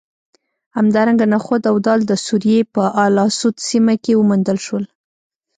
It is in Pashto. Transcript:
همدارنګه نخود او دال د سوریې په الاسود سیمه کې وموندل شول